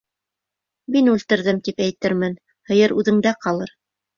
Мин үлтерҙем, тип әйтермен, һыйыр үҙеңдә ҡалыр.